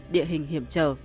địa hình hiểm trở